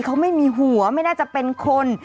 เขาไม่มีหัวไม่น่าจะเป็นคน